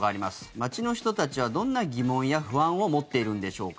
街の人たちはどんな疑問や不安を持っているんでしょうか。